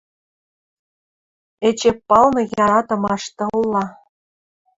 Эче палны яратымаш тылла